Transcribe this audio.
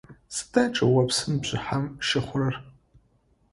Сыда чӏыопсым бжыхьэм щыхъурэр?